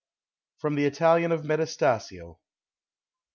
From the Italian of METASTASIO.